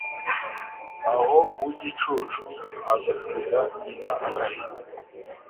naho uw’igicucu agatera nyina agahinda